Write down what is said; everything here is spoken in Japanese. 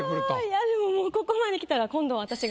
いやでももうここまできたら今度は。